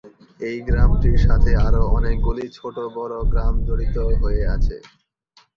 এই গ্রামটির সাথে আরও অনেকগুলি ছটো-বড় গ্রাম জড়িত হয়ে আছে।